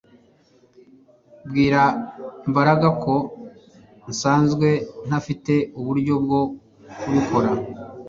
Bwira Mbaraga ko nsanzwe ntafite uburyo bwo kubikora